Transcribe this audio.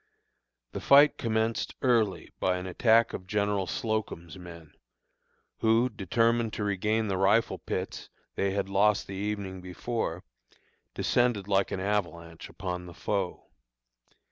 The fight commenced early by an attack of General Slocum's men, who, determined to regain the rifle pits they had lost the evening before, descended like an avalanche upon the foe.